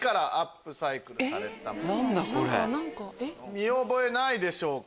見覚えないでしょうか？